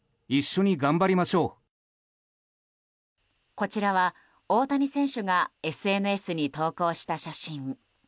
こちらは、大谷選手がＳＮＳに投稿した写真。